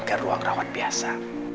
ke ruang rawat biasa